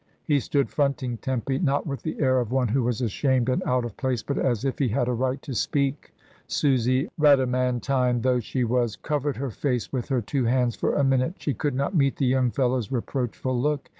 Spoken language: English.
He stood fronting Tempy, not with the air of one who was ashamed and out of place, but as if he had ^ right to speak. Susy, Rhadamantine though she was, covered her face with her two hands for a minute. She could not meet the young fellow's reproachful look.